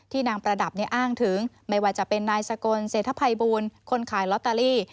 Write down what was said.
นางประดับอ้างถึงไม่ว่าจะเป็นนายสกลเศรษฐภัยบูลคนขายลอตเตอรี่